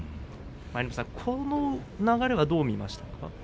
舞の海さん、この流れはどう見ましたか？